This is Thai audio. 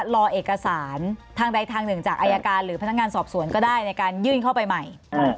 รอเอกสารทางใดทางหนึ่งจากอายการหรือพนักงานสอบสวนก็ได้ในการยื่นเข้าไปใหม่